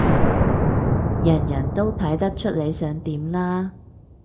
人人都睇得出你想點啦